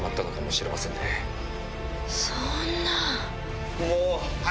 そんな。